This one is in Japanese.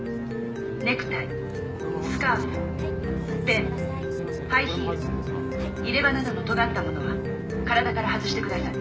ネクタイスカーフペンハイヒール入れ歯などのとがった物は体から外してください。